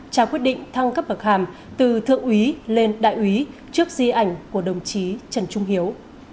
trao quyết định thăng cấp bậc hàm từ thượng úy lên đại úy trước di ảnh của đồng chí trần trung hiếu